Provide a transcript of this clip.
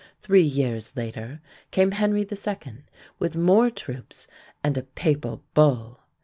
Three years later came Henry II. with more troops and a Papal bull.